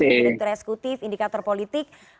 indikator esekutif indikator politik